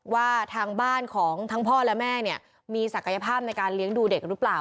ว่าทางบ้านของทั้งพ่อและแม่เนี่ยมีศักยภาพในการเลี้ยงดูเด็กหรือเปล่า